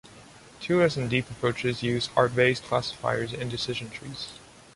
Two less than deep approaches used are Bayes classifiers and decision trees.